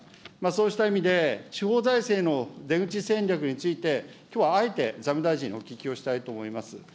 そうした意味で、地方財政の出口戦略について、きょうはあえて財務大臣にお聞きをしたいと思います。